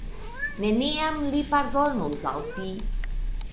Neniam li pardonus al si.